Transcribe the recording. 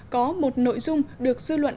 có một nội dung được dư luận